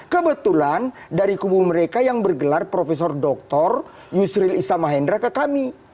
kebetulan dari kubu mereka yang bergelar prof dr yusril isamahendra ke kami